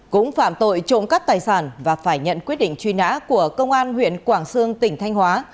cũng phạm tội trộm cắt tài sản và phải nhận quyết định truy nã của công an huyện quảng sương tỉnh thanh hóa